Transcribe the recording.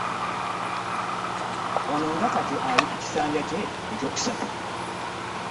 Ono nga kati ali ku kisanja kye ekyokusatu